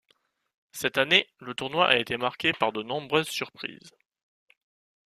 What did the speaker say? Cette année, le tournoi a été marqué par de nombreuses surprises.